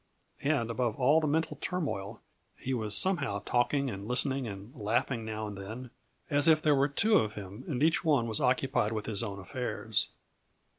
And above all the mental turmoil he was somehow talking and listening and laughing now and then, as if there were two of him and each one was occupied with his own affairs.